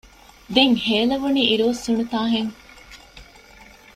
ދެން ހޭލެވުނީ އިރުއޮއްސުނުތަނާ ހެން